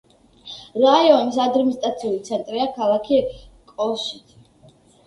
რაიონის ადმინისტრაციული ცენტრია ქალაქი კოშიცე.